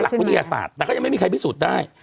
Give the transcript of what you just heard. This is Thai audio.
ท่านหลักภูติวิทยาศาสตร์แต่ก็ยังไม่มีใครพิสูจน์ได้